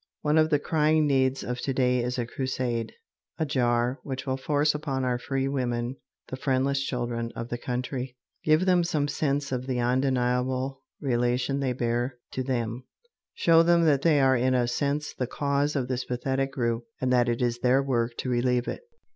One of the crying needs of to day is a crusade, a jar, which will force upon our free women the friendless children of the country, give them some sense of the undeniable relation they bear to them, show them that they are in a sense the cause of this pathetic group and that it is their work to relieve it.